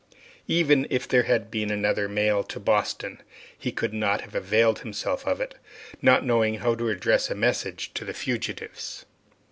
Even if there had been another mail to Boston, he could not have availed himself of it, not knowing how to address a message to the fugitives.